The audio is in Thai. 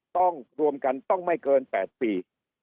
รวมกันต้องไม่เกิน๘ปี